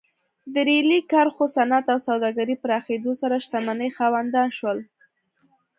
د ریلي کرښو، صنعت او سوداګرۍ پراخېدو سره شتمنۍ خاوندان شول.